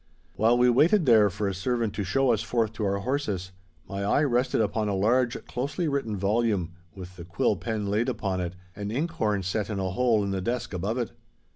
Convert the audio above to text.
While we waited there for a servant to show us forth to our horses, my eye rested upon a large, closely written volume, with the quill pen laid upon it, and ink horn set in a hole in the desk above it.